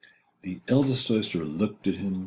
The eldest Oyster looked at him.